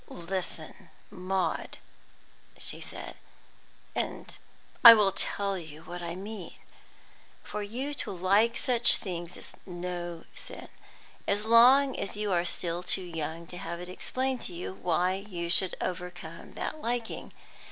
"Listen, Maud," she said, "and I will tell you what I mean. For you to like such things is no sin, as long as you are still too young to have it explained to you why you should overcome that liking.